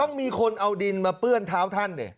มีคนเอาดินมาเปื้อนเท้าท่านดิ